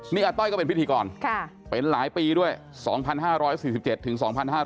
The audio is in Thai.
นี่อาต้อยก็เป็นพิธีกรเป็นหลายปีด้วย๒๕๔๗ถึง๒๕๕๙